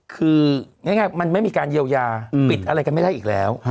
คือง่ายมันไม่มีการเยียวยาปิดอะไรกันไม่ได้อีกแล้ว